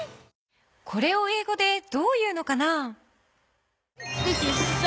これをえいごでどう言うのかな？